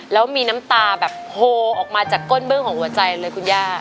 แล้วมีน้ำตาแบบโฮออกมาจากก้นเบื้องของหัวใจเลยคุณย่า